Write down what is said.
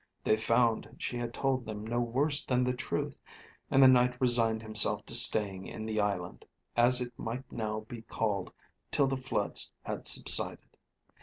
They found she had told them no worse than the truth and the Knight resigned himself to staying in the island, as it might now be called till the floods had subsided.